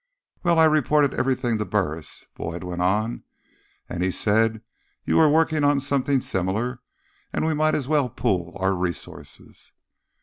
"Well, I reported everything to Burris," Boyd went on. "And he said you were working on something similar, and we might as well pool our resources."